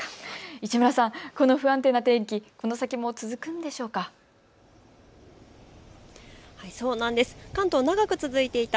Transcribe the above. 市村さん、この不安定な天気、この先も続くんでしょうか。